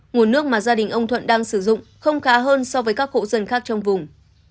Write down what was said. nguồn nước mà gia đình ông thuận đang sử dụng không khá hơn so với các hộ dân khác trong vùng